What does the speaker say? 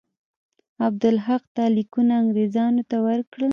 عبدالحق دا لیکونه انګرېزانو ته ورکړل.